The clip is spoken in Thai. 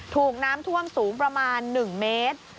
ถูกน้ำท่วมสูงประมาณ๑เมตร